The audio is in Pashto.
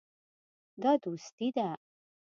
دا دوستي ده.